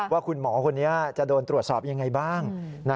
ว่าคุณหมอคนนี้จะโดนตรวจสอบยังไงบ้าง